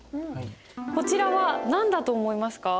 こちらは何だと思いますか？